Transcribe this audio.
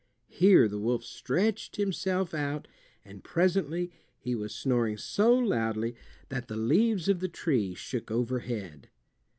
Here the wolf stretched himself out, and presently he was snoring so loudly that the leaves of the trees shook overhead.